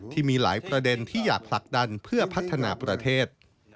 ที่มีหลายประเด็นที่อยากผลักดันเพื่อพัฒนาประเทศ